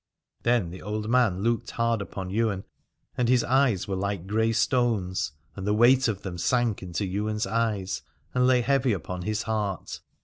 Then the old man looked hard upon Ywain, and his eyes were like grey stones, and the weight of them sank into Ywain's eyes and lay heavy upon his heart.